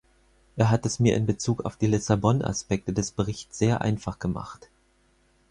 Er hat es mir in Bezug auf die Lissabon-Aspekte des Berichts sehr einfach gemacht.